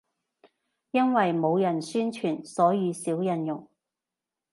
因為冇人宣傳，所以少人用